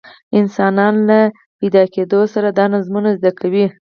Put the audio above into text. انسانان له زېږون سره دا نظمونه زده کوي.